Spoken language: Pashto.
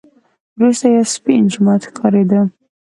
وروسته یو سپین جومات ښکارېده.